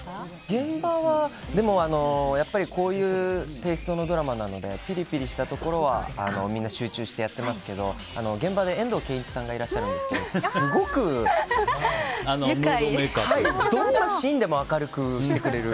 現場はやっぱりこういうテイストのドラマなのでピリピリしたところはみんな集中してやってますけど現場で遠藤憲一さんがいらっしゃるんですけどどんなシーンでも明るくしてくれる。